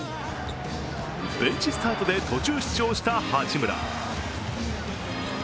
ベンチスタートで途中出場した八村。